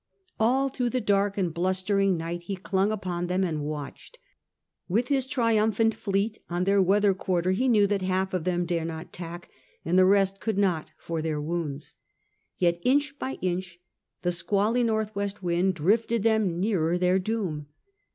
All through the dark and blustering night he clung upon them and watched. With his triumphant fleet on their weather quarter, he knew that half of them dare not tack, and the rest could not for their wounds. Yet inch by inch the squally north west wind drifted them nearer their doom.